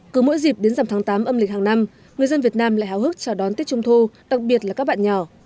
cứ mỗi dịp đến dầm tháng tám âm lịch hàng năm người dân việt nam lại hào hức chào đón tiết trung thu đặc biệt là các bạn nhỏ